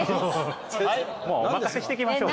もうお任せしていきましょう。